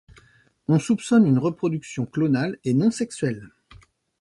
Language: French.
On soupçonne une reproduction clonale et non sexuelle.